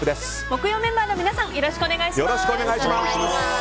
木曜メンバーの皆さんよろしくお願いします。